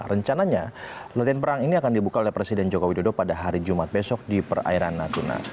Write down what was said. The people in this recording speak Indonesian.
rencananya latihan perang ini akan dibuka oleh presiden joko widodo pada hari jumat besok di perairan natuna